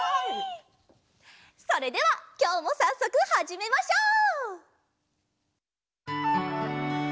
それではきょうもさっそくはじめましょう！